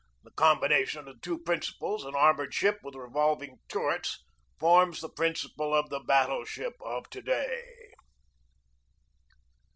The com bination of the two principles, an armored ship with revolving turrets, forms the principle of the battle ship of to day.